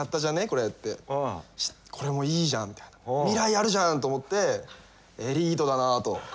これ、これ、もういいじゃん未来あるじゃんと思ってエリートだなと。